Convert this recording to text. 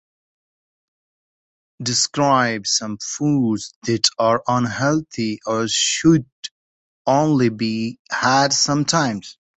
Describe some foods that are unhealthy or should only be had sometimes.